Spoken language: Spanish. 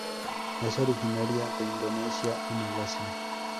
Es originaria de Indonesia y Malasia.